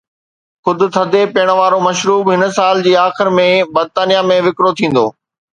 خود ٿڌي پيئڻ وارو مشروب هن سال جي آخر ۾ برطانيه ۾ وڪرو ٿيندو.